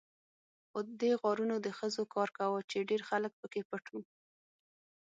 خو دې غارونو د خزو کار کاوه، چې ډېر خلک پکې پټ وو.